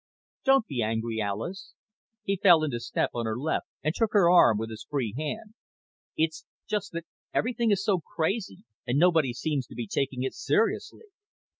"Don't be angry, Alis." He fell into step on her left and took her arm with his free hand. "It's just that everything is so crazy and nobody seems to be taking it seriously.